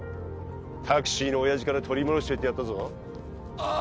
タクシーのオヤジから取り戻しといてやったぞああ